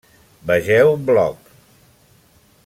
Vegeu bloc.